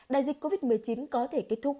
đại dịch covid một mươi chín có thể kết thúc